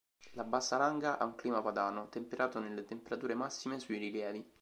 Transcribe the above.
La Bassa Langa ha un clima padano, temperato nelle temperature massime sui rilievi.